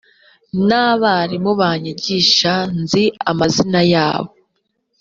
n abarimu banyigisha nzi amazina yabo